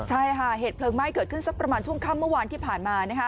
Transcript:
ใช่ค่ะเหตุเพลิงไหม้เกิดขึ้นสักประมาณช่วงค่ำเมื่อวานที่ผ่านมานะคะ